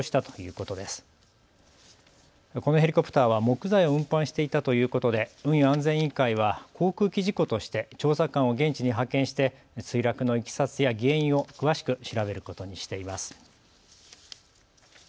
このヘリコプターは木材を運搬していたということで運輸安全委員会は航空機事故として調査官を現地に派遣して墜落のいきさつや原因を詳しく調べることにしています。